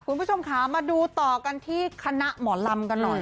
คุณผู้ชมค่ะมาดูต่อกันที่คณะหมอลำกันหน่อย